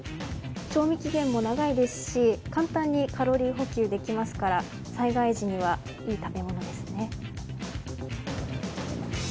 賞味期限も長いですし簡単にカロリー補給できますから災害時には、いい食べ物ですね。